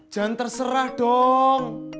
jangan terserah dong